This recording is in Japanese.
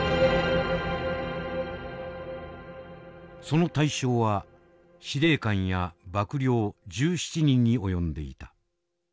その対象は司令官や幕僚１７人に及んでいた。